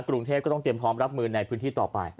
กรุงเทพก็ต้องเตรียมพร้อมรับมือในพื้นที่ต่อไป